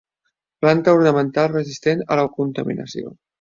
Planta ornamental resistent a la contaminació.